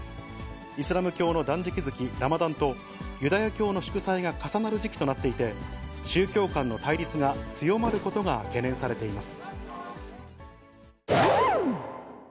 イスラム教の断食月、ラマダンと、ユダヤ教の祝祭が重なる時期となっていて、宗教間の対立が強まることが懸念されています。